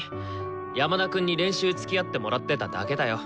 山田くんに練習つきあってもらってただけだよ。